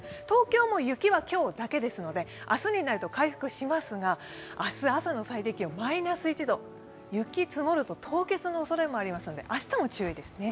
東京も雪は今日だけですので明日になると回復しますが明日朝の最低気温、マイナス１度、雪積もると凍結のおそれもありますので、明日も注意です。